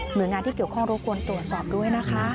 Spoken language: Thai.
โดยงานที่เกี่ยวข้องรบกวนตรวจสอบด้วยนะคะ